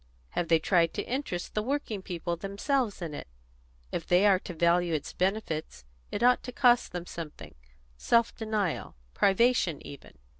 "Have they tried to interest the working people themselves in it? If they are to value its benefits, it ought to cost them something self denial, privation even."